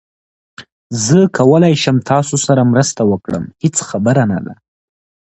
زه کولای شم تاسو سره مرسته وکړم، هیڅ خبره نه ده